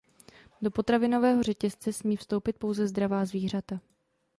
Do potravinového řetězce smí vstoupit pouze zdravá zvířata.